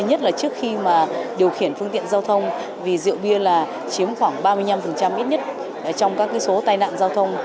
thứ nhất là trước khi mà điều khiển phương tiện giao thông vì rượu bia là chiếm khoảng ba mươi năm ít nhất trong các số tai nạn giao thông